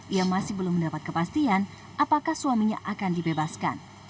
ia masih belum mendapat kepastian apakah suaminya akan dibebaskan